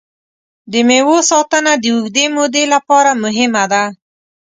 د مېوو ساتنه د اوږدې مودې لپاره مهمه ده.